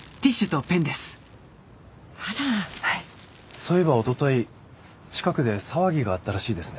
そういえばおととい近くで騒ぎがあったらしいですね。